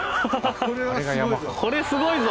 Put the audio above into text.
これはすごいぞ！